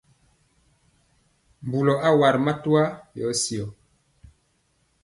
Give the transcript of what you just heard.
Mbulɔ a wa ri matwa yɔ syɔ.